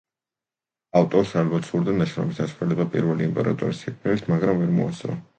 ავტორს ალბათ სურდა ნაშრომის დასრულება პირველი იმპერატორის სიკვდილით, მაგრამ ვერ მოასწრო.